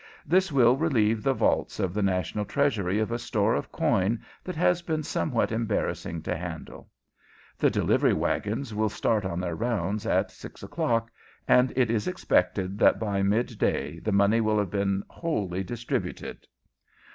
This will relieve the vaults of the national Treasury of a store of coin that has been somewhat embarrassing to handle. The delivery wagons will start on their rounds at six o'clock, and it is expected that by midday the money will have been wholly distributed.